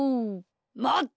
まって！